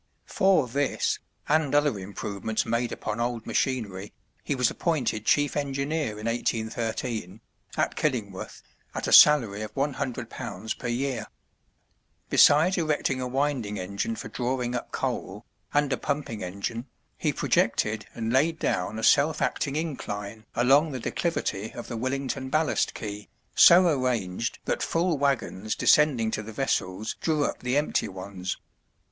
For this, and other improvements made upon old machinery, he was appointed chief engineer in 1813, at Killingworth, at a salary of £100 per year. Besides erecting a winding engine for drawing up coal, and a pumping engine, he projected and laid down a self acting incline along the declivity of the Willington ballast quay, so arranged that full wagons descending to the vessels drew up the empty ones.